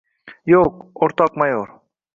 — Yo‘q, o‘rtoq mayor…